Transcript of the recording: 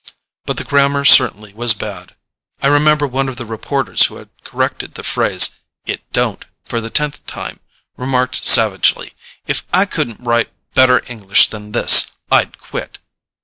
But the grammar certainly was bad. I remember one of the reporters who had corrected the phrase "it don't" for the tenth time remarked savagely, "If I couldn't write better English than this, I'd quit."